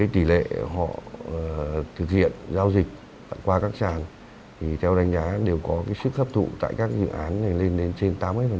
tỷ lệ họ thực hiện giao dịch qua các sàn theo đánh giá đều có sức hấp thụ tại các dự án này lên đến trên tám mươi